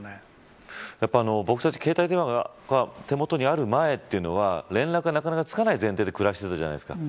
僕たち、携帯電話が手元にある前というのは連絡がつかない前提で暮らしてたじゃないですか。